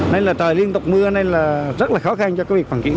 nên là trời liên tục mưa nên là rất là khó khăn cho các vị phản kiện